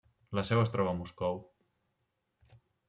La seu es troba a Moscou.